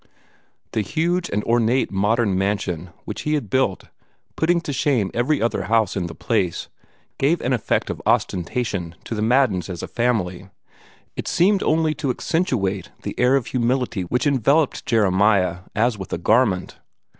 The huge and ornate modern mansion which he had built, putting to shame every other house in the place, gave an effect of ostentation to the Maddens as a family; it seemed only to accentuate the air of humility which enveloped Jeremiah as with a garment.